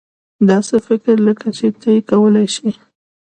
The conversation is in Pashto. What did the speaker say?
داسې فکر لکه چې ته یې کولای شې.